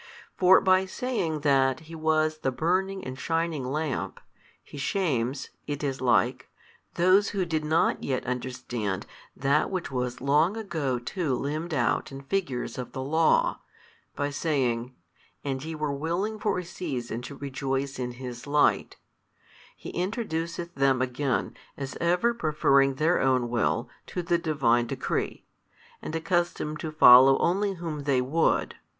For by saying that he was the burning and shining lamp, He shames (it is like) those who did not yet understand that which was long ago too limned out in figures of the Law: by saying, and YE were willing for a season to rejoice in his light, He introduceth them again as ever preferring their own will to the Divine Decree, and accustomed to follow only whom they would.